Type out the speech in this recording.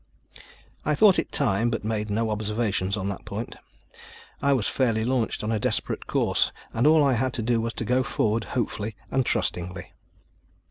I thought it time, but made no observations on that point. I was fairly launched on a desperate course, and all I had to do was to go forward hopefully and trustingly.